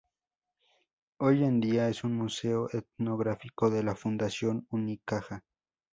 Hoy en día es un museo etnográfico de la fundación Unicaja.